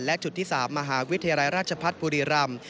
และจุดที่๓มหาวิทยาลัยราชพัฒน์บุรีรำ